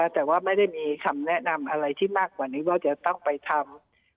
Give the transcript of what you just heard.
แต่ไม่ได้คำแนะนำนี้มากกว่าผมจะไปทำ